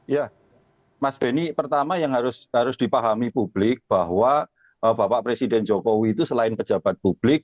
ya mas benny pertama yang harus dipahami publik bahwa bapak presiden jokowi itu selain pejabat publik